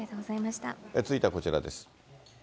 続いてはこちらです。